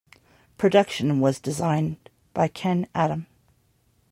Production was designed by Ken Adam.